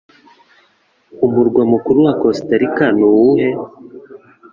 Umurwa mukuru wa Kosta Rika ni uwuhe?